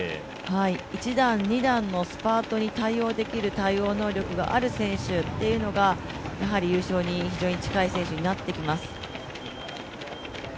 一段、二段のスパートに対応できる能力がある選手がやはり優勝に非常に近い選手になってきます。